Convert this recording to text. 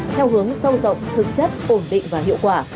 theo hướng sâu rộng thực chất ổn định và hiệu quả